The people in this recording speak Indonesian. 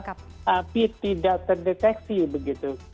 tapi tidak terdeteksi begitu